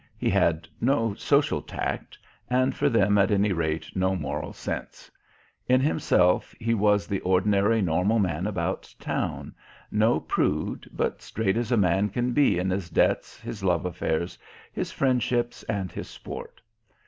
He had no "social tact," and for them at any rate no moral sense. In himself he was the ordinary normal man about town, no prude, but straight as a man can be in his debts, his love affairs, his friendships, and his sport.